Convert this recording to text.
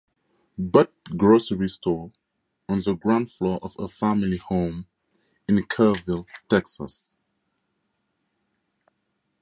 Butt Grocery Store on the ground floor of her family home in Kerrville, Texas.